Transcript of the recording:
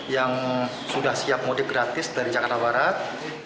yang sudah siap mudik gratis dari jakarta barat